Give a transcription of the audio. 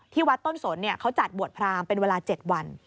วัดต้นสนเขาจัดบวชพรามเป็นเวลา๗วัน